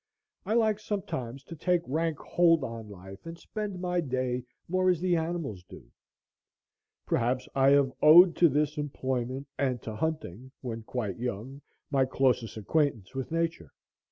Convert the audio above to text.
I like sometimes to take rank hold on life and spend my day more as the animals do. Perhaps I have owed to this employment and to hunting, when quite young, my closest acquaintance with Nature.